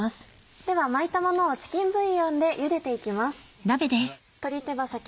では巻いたものをチキンブイヨンでゆでて行きます。